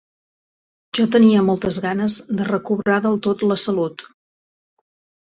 Jo tenia moltes ganes de recobrar del tot la salut